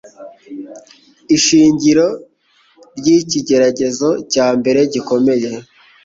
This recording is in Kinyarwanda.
ishingiro ry’ikigeragezo cya mbere gikomeye.